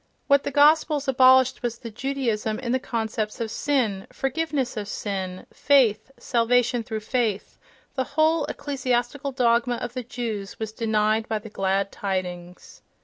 —What the Gospels abolished was the Judaism in the concepts of "sin," "forgiveness of sin," "faith," "salvation through faith"—the whole ecclesiastical dogma of the Jews was denied by the "glad tidings."